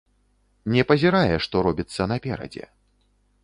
Не пазірае, што робіцца наперадзе.